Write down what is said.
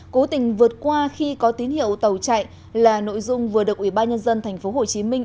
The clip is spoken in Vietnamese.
cố tình vượt qua khi có tín hiệu tàu chạy là nội dung vừa được ủy ban nhân dân tp hồ chí minh